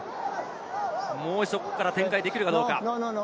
もう一度ここから展開できるかどうか。